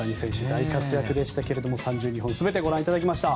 大活躍でしたけど３２本全てご覧いただきました。